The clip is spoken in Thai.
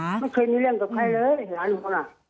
ไม่เคยมีเรื่องกับใครเลยหลานผมอะ